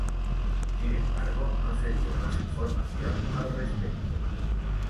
Sin embargo, no se dio más información al respecto.